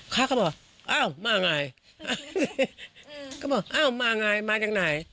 เขาก็บอกอ้าวมาไงก็บอกอ้าวมาไงมาจากไหน